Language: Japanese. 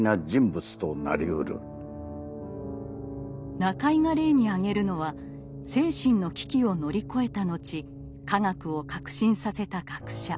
中井が例に挙げるのは精神の危機を乗り越えた後科学を革新させた学者。